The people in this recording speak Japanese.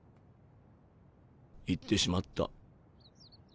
行ってしまった。